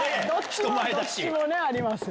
どっちもありますよ。